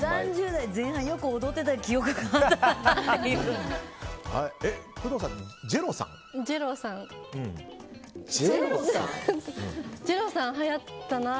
３０代前半、よく踊ってた記憶があったから。